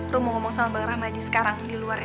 rumo ngomong sama bang rahmadi sekarang di luar ya